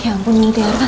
ya ampun nih tiara